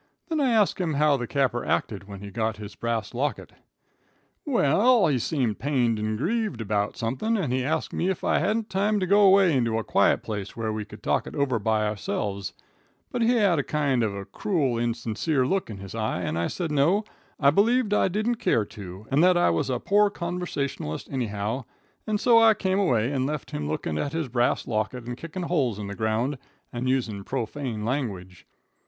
Then I asked him how the capper acted when he got his brass locket. "Well, he seemed pained and grieved about something, and he asked me if I hadn't time to go away into a quiet place where we could talk it over by ourselves; but he had a kind of a cruel, insincere look in his eye, and I said no, I believed I didn't care to, and that I was a poor conversationalist, anyhow; and so I came away, and left him looking at his brass locket and kicking holes in the ground and using profane language.